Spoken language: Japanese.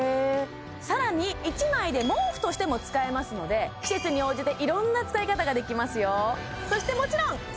更に１枚で毛布としても使えますので季節に応じていろんな使い方ができますよそしてもちろん！